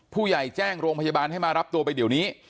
ผู้ใหญ่แจ้งโรงพยาบาลให้มารับตัวไปเดี๋ยวนี้